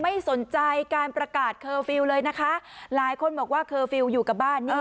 ไม่สนใจการประกาศเคอร์ฟิลล์เลยนะคะหลายคนบอกว่าเคอร์ฟิลล์อยู่กับบ้านนี่